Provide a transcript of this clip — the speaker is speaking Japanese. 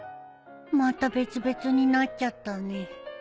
また別々になっちゃったね